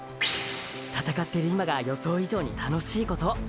闘ってる今が予想以上に楽しいこと！！